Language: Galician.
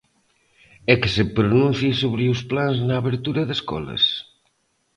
E que se pronuncie sobre os plans na apertura de escolas.